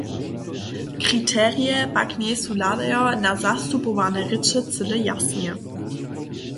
Kriterije pak njejsu hladajo na zastupowane rěče cyle jasne.